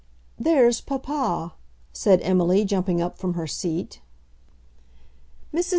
"There's papa," said Emily, jumping up from her seat. Mrs.